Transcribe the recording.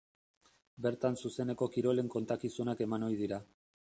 Bertan zuzeneko kirolen kontakizunak eman ohi dira.